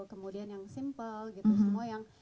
kemudian yang simple gitu semua yang